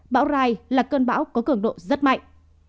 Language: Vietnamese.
bão rai là cơn bão có cường độ rất mạnh